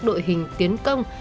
đội hình tiến công